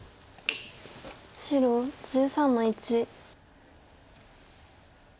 白１３の一。